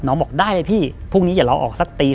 น้องบอกได้พี่พรุ่งนี้อย่าเราออกสักตี